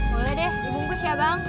boleh deh dibungkus ya bang